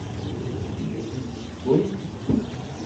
Anda i ten-tessewwem?